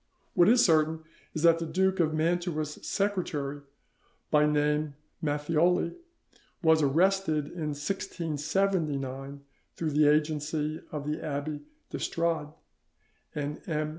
What is certain is that the Duke of Mantua's secretary, by name Matthioli, was arrested in 1679 through the agency of Abbe d'Estrade and M.